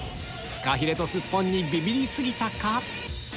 フカヒレとスッポンにビビり過ぎたか？